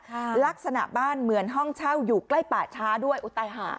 ค่ะลักษณะบ้านเหมือนห้องเช่าอยู่ใกล้ป่าช้าด้วยอุตัยหา